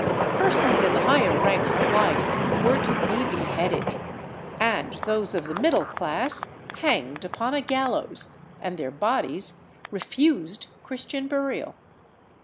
Persons in the higher ranks of life were to be beheaded, and those of the middle class hanged upon a gallows, and their bodies refused Christian burial.